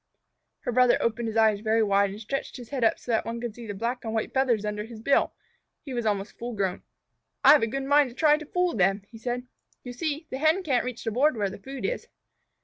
Her brother opened his eyes very wide, and stretched his head up so that one could see the black and white feathers under his bill. He was almost full grown. "I've a good mind to try to fool them," he said. "You see, the Hen can't reach the board where the food is."